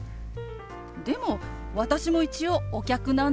でも私も一応お客なんですけど。